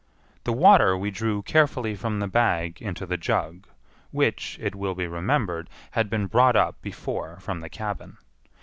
The water we drew carefully from the bag into the jug; which, it will be remembered, had been brought up before from the cabin.